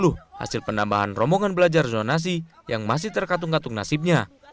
hasil penambahan rombongan belajar zonasi yang masih terkatung katung nasibnya